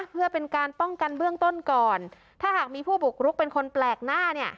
เพื่อเป็นการป้องกันเบื้องต้นก่อนถ้าหากมีผู้บุกรุกเป็นคนแปลกหน้าเนี่ย